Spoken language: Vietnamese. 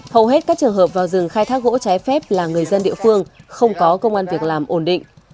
hầu hết các trường hợp vào rừng khai thác gỗ trái phép là người dân địa phương không có công an việc làm ổn định